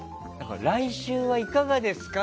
来週はいかがですか？